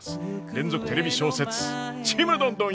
連続テレビ小説「ちむどんどん」